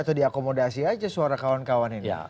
atau diakomodasi aja suara kawan kawan ini